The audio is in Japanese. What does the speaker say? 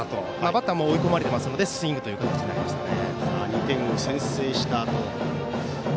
バッターも追い込まれているのでスイングという形になりますね。